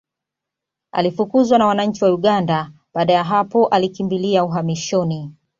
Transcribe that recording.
Alifukuzwa na wananchi wa Uganda baada ya hapo alikimbilia uhamishoni